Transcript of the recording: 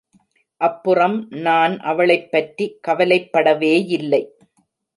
அப்புறம் நான் அவளைப்பற்றி கவலைப்படவேயில்லை.